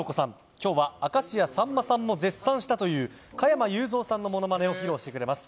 今日は明石家さんまさんも絶賛したという加山雄三さんのモノマネを披露してくれます。